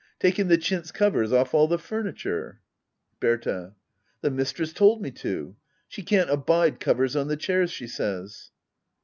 Taken the chintz covers off all the furniture ? Berta. The mistress told me to. She can't abide covers on the chairs, she says.